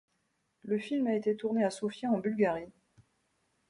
Le film a été tourné à Sofia en Bulgarie.